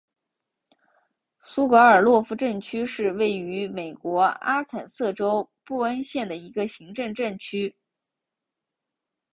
苏格尔洛夫镇区是位于美国阿肯色州布恩县的一个行政镇区。